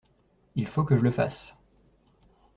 Il faut que je le fasse.